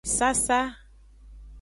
Sasa.